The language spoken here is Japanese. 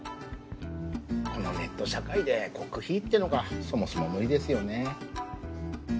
このネット社会で極秘裏ってのがそもそも無理ですよね。